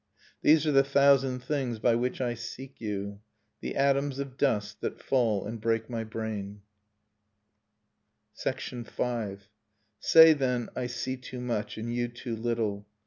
These are the thousand things by which I seek you. The atoms of dust that fall and break my brain. V. Say then: I see too much, and you too little.